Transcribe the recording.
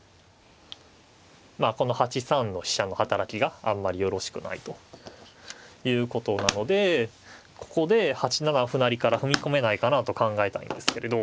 まあこの８三の飛車の働きがあんまりよろしくないということなのでここで８七歩成から踏み込めないかなと考えたいんですけれど